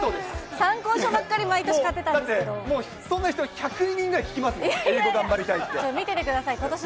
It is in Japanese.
参考書ばっかり、毎年買ってだって、もうそんな人、１００人ぐらい聞きますもの。